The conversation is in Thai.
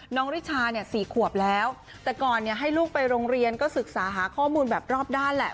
ริชาเนี่ย๔ขวบแล้วแต่ก่อนให้ลูกไปโรงเรียนก็ศึกษาหาข้อมูลแบบรอบด้านแหละ